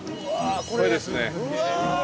これですね